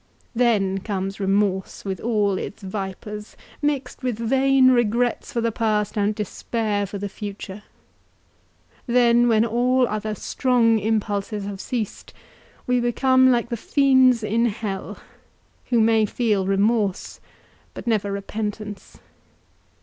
Then comes remorse, with all its vipers, mixed with vain regrets for the past, and despair for the future!—Then, when all other strong impulses have ceased, we become like the fiends in hell, who may feel remorse, but never repentance.